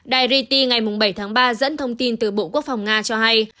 đài riti ngày bảy tháng ba dẫn thông tin từ bộ quốc phòng nga cho hay